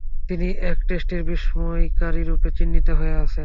তিনি এক টেস্টের বিস্ময়কারীরূপে চিহ্নিত হয়ে আছেন।